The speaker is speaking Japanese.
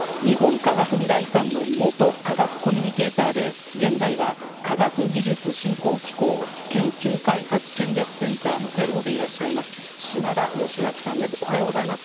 日本科学未来館の元科学コミュニケーターで現在は、科学技術振興機構研究開発戦略センターのフェローでいらっしゃいますおはようございます。